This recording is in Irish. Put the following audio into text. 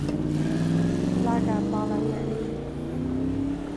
Leagadh Balla Bheirlín.